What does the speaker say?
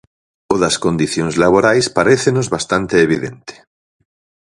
O das condicións laborais parécenos bastante evidente.